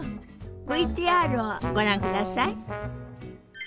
ＶＴＲをご覧ください。